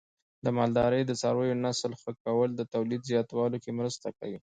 د مالدارۍ د څارویو نسل ښه کول د تولید زیاتوالي کې مرسته کوي.